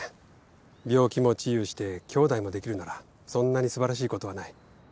病気も治癒してきょうだいもできるならそんなに素晴らしいことはない。